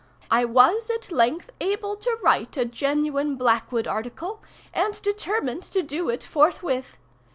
I was, at length, able to write a genuine Blackwood article, and determined to do it forthwith.